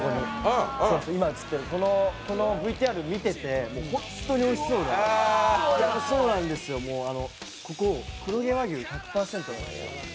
今映っている、このＶＴＲ見てて本当においしそうで、ここ黒毛和牛１００％なんですよ。